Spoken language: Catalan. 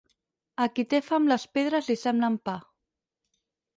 A qui té fam les pedres li semblen pa.